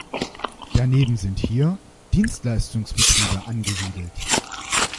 Daneben sind hier Dienstleistungsbetriebe angesiedelt.